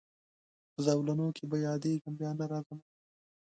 په زولنو کي به یادېږمه بیا نه راځمه